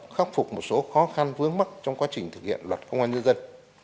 khắc phục một số khó khăn vướng mắt trong quá trình thực hiện luật công an nhân dân